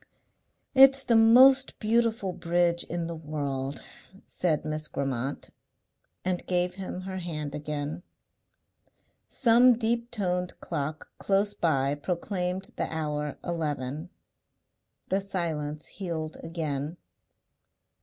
"It's the most beautiful bridge in the world," said Miss Grammont, and gave him her hand again. Some deep toned clock close by proclaimed the hour eleven. The silence healed again.